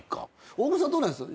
大久保さんどうなんです？